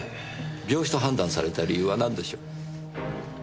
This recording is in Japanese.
病死と判断された理由は何でしょう？